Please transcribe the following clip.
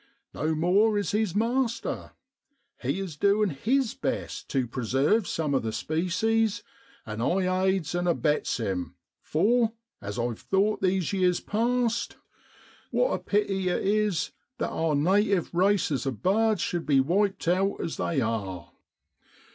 No more is his master. He is doin' his best tu presarve some of the species, and I aids an' abets him, for, as I've thought these yeers past, what a pity it is that our native races of birds should be wiped out as they are.